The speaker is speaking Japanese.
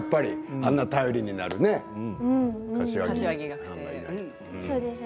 あんなに頼りになる柏木君で。